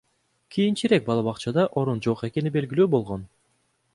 Кийинчерээк бала бакчада орун жок экени белгилүү болгон.